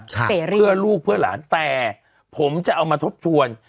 ค่ะเตรียมพี่วันรัฐบาลแต่ผมจะเอามาทบทวน